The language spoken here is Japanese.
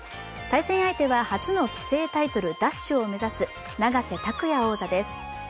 対戦相手は初の棋聖タイトル奪取を目指す永瀬拓矢王座です。